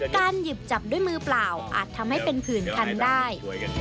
การหยิบจับด้วยมือเปล่าอาจทำให้เป็นผื่นคันได้